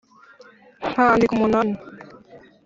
nkandika umunani